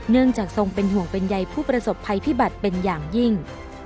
จากทรงเป็นห่วงเป็นใยผู้ประสบภัยพิบัติเป็นอย่างยิ่ง